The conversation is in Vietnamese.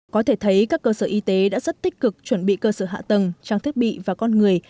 có thể thấy các cơ sở y tế đã rất tích cực chuẩn bị cơ sở hạ tầng trang thiết bị và con người